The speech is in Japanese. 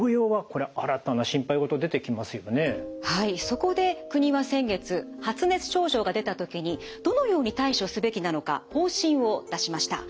そこで国は先月発熱症状が出た時にどのように対処すべきなのか方針を出しました。